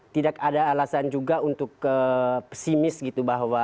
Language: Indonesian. tidak ada alasan juga untuk pesimis gitu bahwa